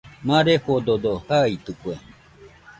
Marefododo jaitɨkue